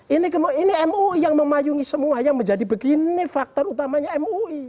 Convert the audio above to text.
ini mui yang memayungi semua yang menjadi begini faktor utamanya mui